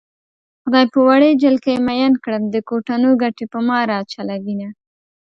خدای په وړې جلکۍ مئين کړم د کوټنو ګټې په ما راچلوينه